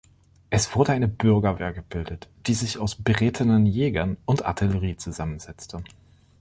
Es wurde eine Bürgerwehr gebildet, die sich aus berittenen Jägern und Artillerie zusammensetzte.